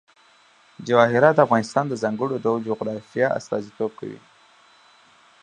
جواهرات د افغانستان د ځانګړي ډول جغرافیه استازیتوب کوي.